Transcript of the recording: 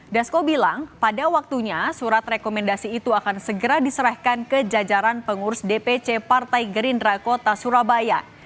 dasko bilang pada waktunya surat rekomendasi itu akan segera diserahkan ke jajaran pengurus dpc partai gerindra kota surabaya